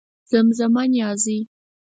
زمزمه نيازۍ